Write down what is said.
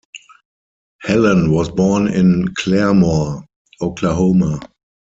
Helen was born in Claremore, Oklahoma.